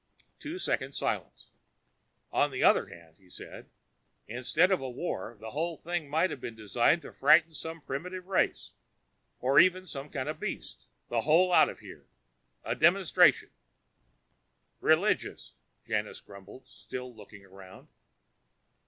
Two seconds of silence. "On the other hand," he said, "instead of a war, the whole thing might have been designed to frighten some primitive race or even some kind of beast the hole out of here. A demonstration " "Religious," Janus grumbled, still looking around.